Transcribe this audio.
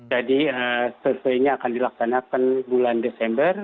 jadi surveinya akan dilaksanakan bulan desember